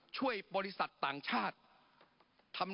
ปรับไปเท่าไหร่ทราบไหมครับ